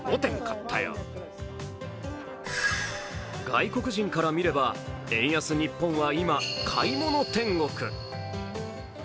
外国人から見れば、円安ニッポンは今、買い物天国。